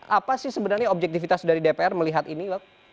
apa sih sebenarnya objektivitas dari dpr melihat ini